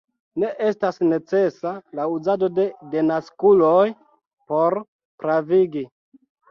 Ne estas necesa la uzado de denaskuloj por pravigi.